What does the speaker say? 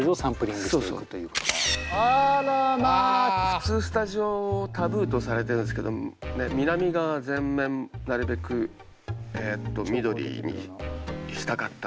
普通スタジオタブーとされてるんですけど南側全面なるべく緑にしたかったんで。